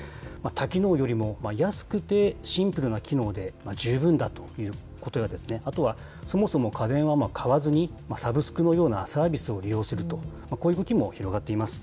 多機能よりも安くてシンプルな機能で十分だということや、あくまでそもそも家電は買わずにサブスクのようなサービスを利用すると、こういう動きも広がっています。